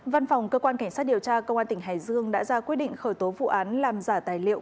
văn phòng cơ quan cảnh sát điều tra công an tỉnh hải dương đã ra quyết định khởi tố vụ án làm giả tài liệu